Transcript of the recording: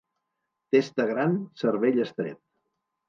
Testa gran, cervell estret.